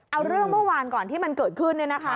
เอาเรื่องเมื่อวานก่อนที่มันเกิดขึ้น